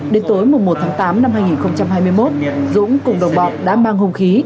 đến tối một tháng tám năm hai nghìn hai mươi một dũng cùng đồng bọn đã mang hung khí